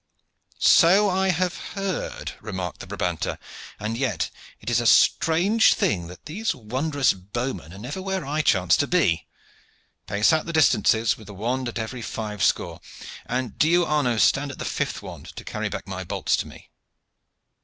"So I have heard," remarked the Brabanter; "and yet it is a strange thing that these wondrous bowmen are never where I chance to be. Pace out the distances with a wand at every five score, and do you, Arnaud, stand at the fifth wand to carry back my bolts to me."